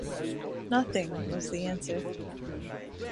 "Nothing," was the answer.